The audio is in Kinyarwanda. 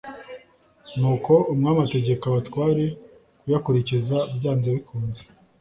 nuko umwami ategeka abatware kuyakurikiza byanze bikunze.